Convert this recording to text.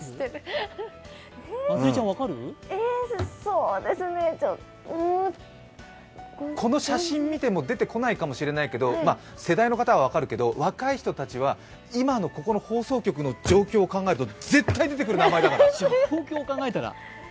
うーんこの写真見ても、出てこないかもしれないけど世代の方は分かるけど、若い人たちは今のこの放送局の状況を考えると絶対に出てくる名前だから。